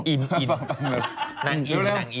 นั่งอิน